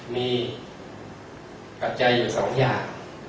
มีประทับใจอยู่สองอย่าง